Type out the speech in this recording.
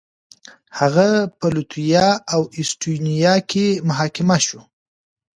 هغه په لتويا او اېسټونيا کې محاکمه شو.